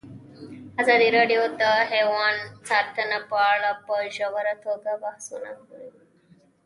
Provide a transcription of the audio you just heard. ازادي راډیو د حیوان ساتنه په اړه په ژوره توګه بحثونه کړي.